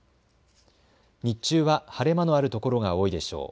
日中は晴れ間のあるところが多いでしょう。